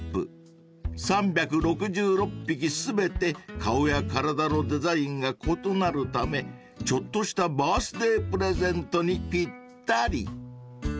［３６６匹全て顔や体のデザインが異なるためちょっとしたバースデープレゼントにぴったり］